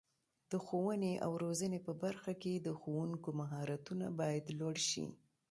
د ښوونې او روزنې په برخه کې د ښوونکو مهارتونه باید لوړ شي.